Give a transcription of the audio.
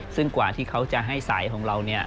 ซึ่งกว่าที่เขาจะให้สายของเรา